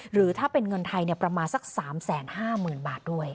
หรือถ้าเป็นเงินไทยประมาณสัก๓๕๐๐๐บาทด้วย